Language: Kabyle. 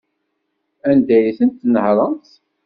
Anda ay tent-tnehṛemt?